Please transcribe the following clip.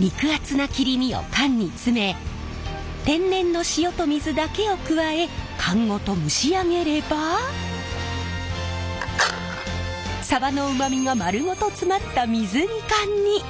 肉厚な切り身を缶に詰め天然の塩と水だけを加え缶ごと蒸し上げればさばのうまみが丸ごと詰まった水煮缶に。